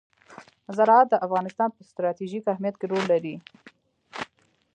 زراعت د افغانستان په ستراتیژیک اهمیت کې رول لري.